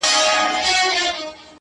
نه ښېرا نه کوم هغه څومره نازک زړه لري؛